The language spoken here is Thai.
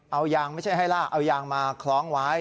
เอายางไม่ใช่ให้ล่ะเอายางมาคล้องไว้